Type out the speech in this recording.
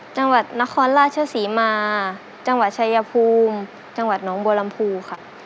จังหวัดนครราชศรีมาจังหวัดชายภูมิจังหวัดน้องบัวลำพูค่ะ